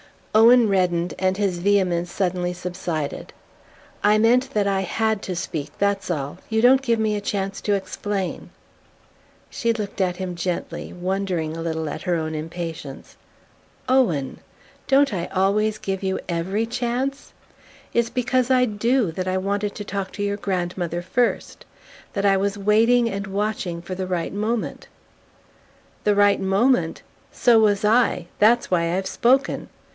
Owen reddened and his vehemence suddenly subsided. "I meant that I HAD to speak that's all. You don't give me a chance to explain..." She looked at him gently, wondering a little at her own impatience. "Owen! Don't I always want to give you every chance? It's because I DO that I wanted to talk to your grandmother first that I was waiting and watching for the right moment..." "The right moment? So was I. That's why I've spoken."